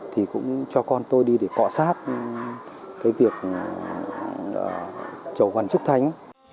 thì cũng cho con tôi đi để cọ sát cái việc chầu văn trúc thánh